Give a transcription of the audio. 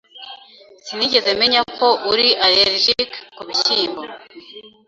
Sinigeze menya ko uri allergique kubishyimbo.